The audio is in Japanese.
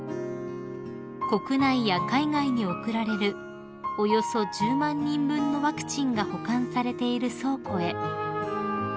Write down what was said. ［国内や海外に送られるおよそ１０万人分のワクチンが保管されている倉庫へ］